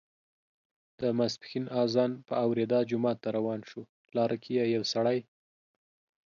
د ماسپښین اذان په اوریدا جومات ته روان شو، لاره کې یې یو سړی